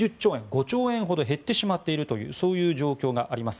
５兆円ほど減ってしまっているという状況があります。